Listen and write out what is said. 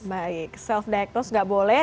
baik self diagnose gak boleh